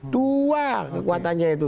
dua kekuatannya itu